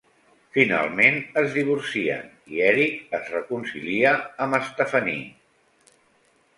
Finalment es divorcien i Eric es reconcilia amb Stephanie.